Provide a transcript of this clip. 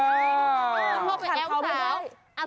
ขาดเขาไม่ได้